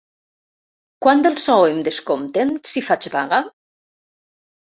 Quant del sou em descompten si faig vaga?